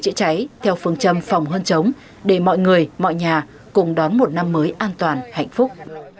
phòng cháy trị cháy theo phương châm phòng hơn chống để mọi người mọi nhà cùng đón một năm mới an toàn hạnh phúc